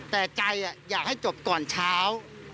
แต่ใจอยากให้จบก่อนเช้า